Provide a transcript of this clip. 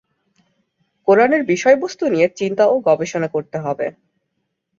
কোরআনের বিষয়বস্তু নিয়ে চিন্তা ও গবেষণা করতে হবে।